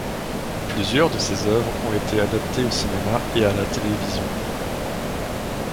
Plusieurs de ses œuvres ont été adaptées au cinéma et à la télévision.